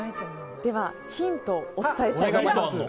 では、ヒントをお伝えしたいと思います。